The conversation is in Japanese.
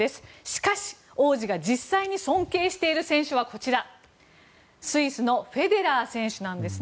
しかし、王子が実際に尊敬している選手はスイスのフェデラー選手なんです。